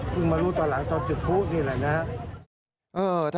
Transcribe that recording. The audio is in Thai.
ก็เพิ่งมารู้ตอนหลังตอนจุดพลุนี่แหละนะครับ